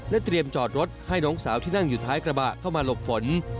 เตรียมจอดรถให้น้องสาวที่นั่งอยู่ท้ายกระบะเข้ามาหลบฝน